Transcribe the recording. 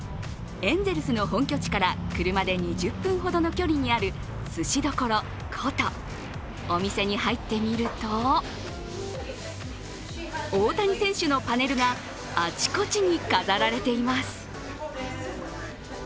エンゼルスの本拠地から車で２０分ほどの距離にある鮨処古都、お店に入ってみると大谷選手のパネルがあちこちに飾られています。